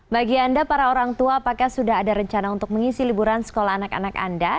bagi anda para orang tua apakah sudah ada rencana untuk mengisi liburan sekolah anak anak anda